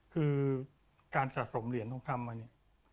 คือการสะสมเหรียญของคำวันนี้